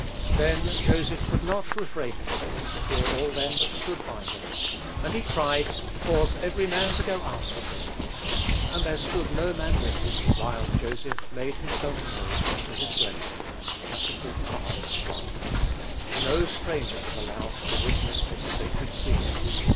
"Then Joseph could not refrain himself before all them that stood by him; and he cried, Cause every man to go out from me. And there stood no man with him, while Joseph made himself known unto his brethren." (Chap. xlv. 1.) No stranger was allowed to witness this sacred scene.